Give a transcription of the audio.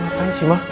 ngapain sih ma